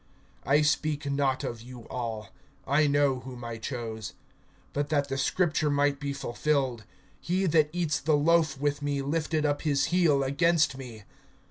(18)I speak not of you all; I know whom I chose; but that the scripture might be fulfilled, He that eats the loaf with me lifted up his heel against me.